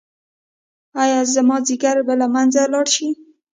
ایا زما ځیګر به له منځه لاړ شي؟